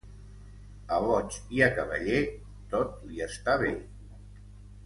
A boig i a cavaller, tot li està bé.